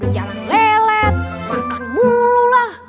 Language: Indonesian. jarang lelet makan mulu lah